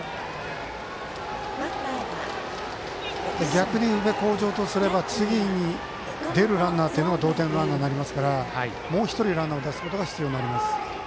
逆に宇部鴻城とすれば次に出るランナーは同点のランナーになりますからもう１人、ランナーを出すことが必要になります。